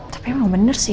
tapi emang bener sih